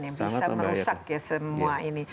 yang bisa merusak ya semua ini